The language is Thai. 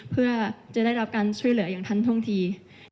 เพื่อจะได้รับการช่วยเหลืออย่างทันท่วงที